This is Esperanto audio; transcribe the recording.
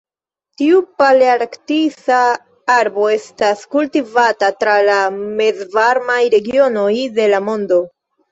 Tiu palearktisa arbo estas kultivata tra la mezvarmaj regionoj de la mondo.